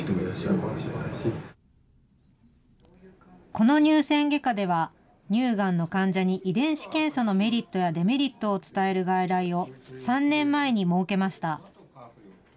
この乳腺外科では、乳がんの患者に遺伝子検査のメリットやデメリットを伝える外来を、３年前に設けました。